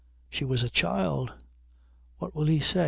She was a child. What will he say?